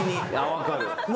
分かる。